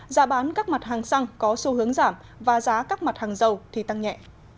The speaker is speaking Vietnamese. giá bán các mặt hàng xăng có xu hướng giảm và giá các mặt hàng dầu thì tăng nhẹ